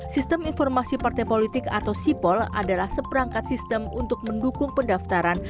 sistem informasi partai politik atau sipol adalah seperangkat sistem untuk mendukung pendaftaran